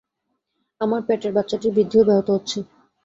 আমার পেতের বাচ্চাটির বৃদ্ধিও ব্যাহত হচ্ছে।